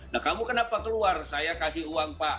nah kamu kenapa keluar saya kasih uang pak